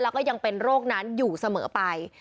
แล้วก็ยังเป็นโรคนั้นอยู่เสมอไป